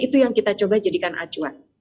itu yang kita coba jadikan acuan